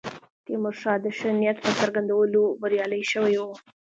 د تیمورشاه د ښه نیت په څرګندولو بریالي شوي وو.